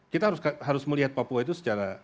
kita harus melihat papua itu secara